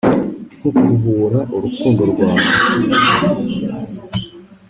nkukubura urukundo rwawe